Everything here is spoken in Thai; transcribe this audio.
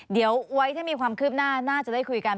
เดี๋ยวไว้ถ้ามีความคืบหน้าน่าจะได้คุยกัน